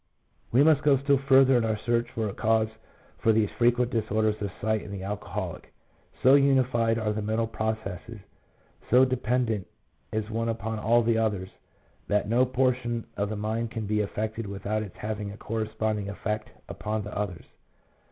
We must go still farther in our search for a cause for these frequent disorders of sight in the alcoholic. So unified are the mental processes, so dependent is one upon all of the others, that no portion of the mind can be affected without its having a corresponding effect upon the others.